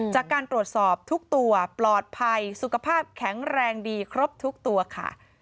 จากการตรวจสอบทุกตัวปลอดภัยสุขภาพแข็งแรงดีครบทุกตัวค่ะ